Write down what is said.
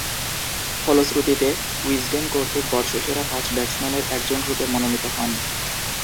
ফলশ্রুতিতে উইজডেন কর্তৃক বর্ষসেরা পাঁচ ব্যাটসম্যানের একজনরূপে মনোনীত হন।